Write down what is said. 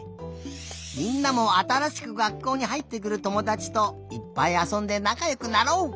みんなもあたらしく学校にはいってくるともだちといっぱいあそんでなかよくなろう！